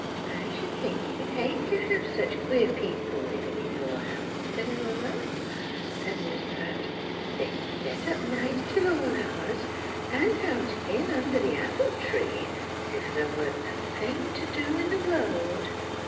" I sh'd think you'd hate to have such queer people livin' in your house, Philura," said Miss Pratt. " They set up nights till all hours, an' out in under that apple tree 's if the' wa'n't a thing to do in the world.